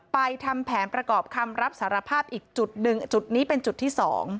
ทำแผนประกอบคำรับสารภาพอีกจุดหนึ่งจุดนี้เป็นจุดที่๒